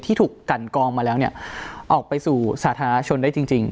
ถูกกันกองมาแล้วเนี่ยออกไปสู่สาธารณชนได้จริง